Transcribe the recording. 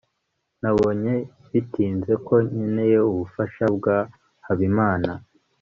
nabonye bitinze ko nkeneye ubufasha bwa habimana